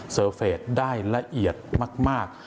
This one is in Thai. เฟสได้ละเอียดมาก